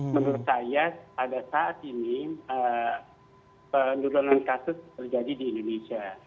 menurut saya pada saat ini penurunan kasus terjadi di indonesia